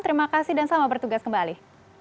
terima kasih dan selamat bertugas kembali